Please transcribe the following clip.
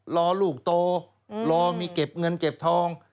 รอลูกโตรอมีเก็บเงินเก็บทอง